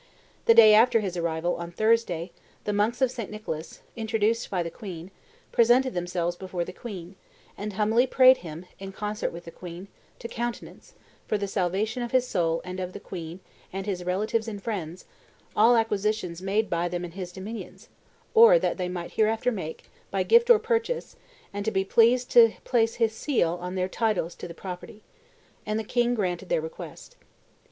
The day after his arrival, on Thursday, the monks of St. Nicholas, introduced by the queen, presented themselves before the king, and humbly prayed him, in concert with the queen, to countenance, for the salvation of his soul and of the queen and his relatives and friends, all acquisitions made by them in his dominions, or that they might hereafter make, by gift or purchase, and to be pleased to place his seal on their titles to property. And the king granted their request."